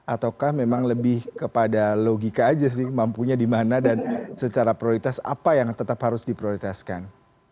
ataukah memang lebih kepada logika aja sih mampunya di mana dan secara prioritas apa yang tetap harus diprioritaskan